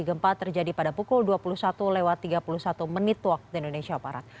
gempa terjadi pada pukul dua puluh satu lewat tiga puluh satu waktu indonesia barat